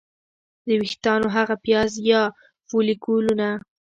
د ویښتانو هغه پیاز یا فولیکولونه